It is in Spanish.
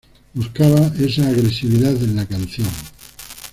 Buscaba esa agresividad en la canción"".